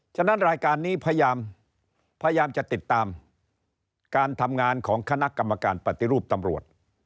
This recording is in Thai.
ฉะนั้นรายการนี้พยายามจะติดตามการทำงานของคณะกรรมการปฏิรูปตำรวจ